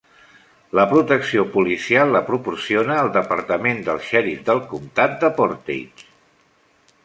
La protecció policial la proporciona el departament del xerif del comtat de Portage.